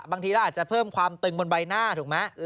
บางทีเราอาจจะเพิ่มความตึงบนใบหน้าถูกไหม